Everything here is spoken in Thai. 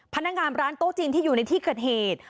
พนักงานร้านโต๊ะจีนที่อยู่ในที่เกิดเหตุ